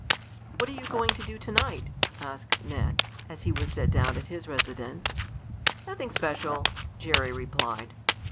"What are you going to do to night?" asked Ned, as he was set down at his residence. "Nothing special," Jerry replied.